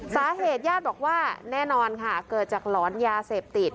สาเหตุญาติบอกว่าแน่นอนค่ะเกิดจากหลอนยาเสพติด